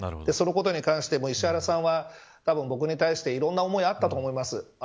そのことに関して、石原さんはたぶん僕に対して、いろんな思いがあったと思います。